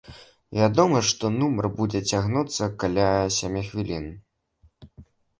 Вядома, што нумар будзе цягнуцца каля сямі хвілін.